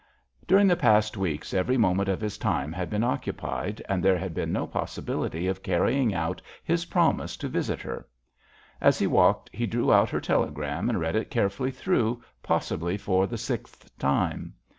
During the past weeks every moment of his time had been occupied, and there had been no possibility of carrying out his promise to visit her. As he walked he drew out her telegram and read it carefully through, possibly for the sixth time.